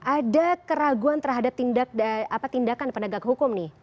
ada keraguan terhadap tindakan penegak hukum nih